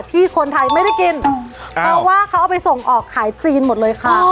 ที่คนไทยไม่ได้กินเพราะว่าเขาเอาไปส่งออกขายจีนหมดเลยค่ะ